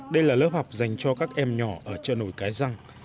đây là lớp học dành cho các em nhỏ ở trợ nổi cái răng